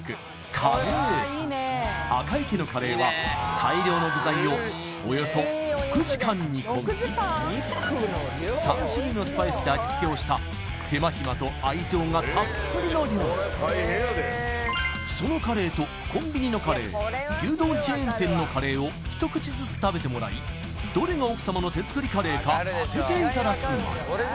カレー赤井家のカレーは大量の具材をおよそ６時間煮込み３種類のスパイスで味付けをした手間ひまと愛情がたっぷりの料理そのカレーとコンビニのカレー牛丼チェーン店のカレーを一口ずつ食べてもらいどれが奥様の手作りカレーか当てていただきます